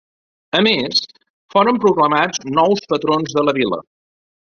A més, foren proclamats nous patrons de la vila.